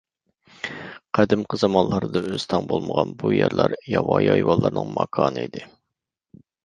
قەدىمىي زامانلاردا ئۆستەڭ بولمىغان بۇ يەرلەر ياۋايى ھايۋانلارنىڭ ماكانى ئىدى.